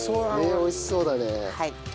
美味しそうだね。